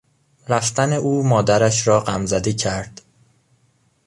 رفتن او مادرش را غمزده کرد.